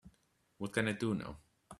what can I do now?